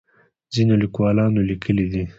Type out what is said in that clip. ځینو لیکوالانو لیکلي دي.